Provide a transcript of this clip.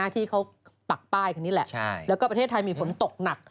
ที่เขาปากป้ายข้านี้แหละก็ก็ประเทศไทยมีฝนตกนัก